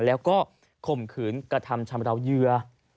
แล้วก็ข่มขืนกระทำชำราวเหยื่อ